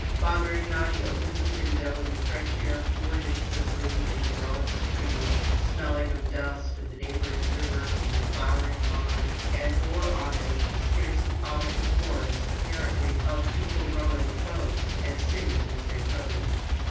Father Ignaty opened the window, and the fresh air poured into the room in a broad stream, smelling of dust, of the neighbouring river, and the flowering lime, and bore on it a scarcely audible chorus, apparently, of people rowing a boat, and singing as they rowed.